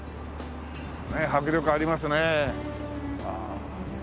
ねえ迫力ありますね。